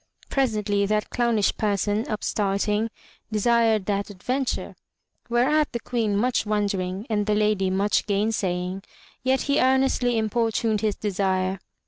Presently that clownish person, upstarting, desired that adventure; whereat the Queen much wondering, and the Lady much gainsaying, yet he earnestly importuned his desire.